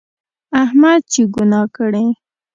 احمد چې ګناه کړي،